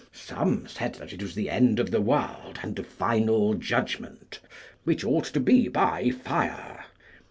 Some said that it was the end of the world and the final judgment, which ought to be by fire.